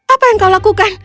apa yang kau lakukan